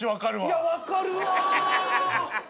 いや分かるわ。